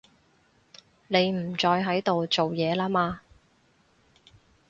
你唔再喺度做嘢啦嘛